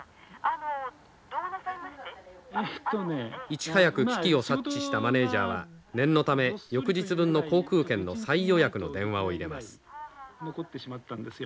いち早く危機を察知したマネージャーは念のため翌日分の航空券の再予約の電話を入れます。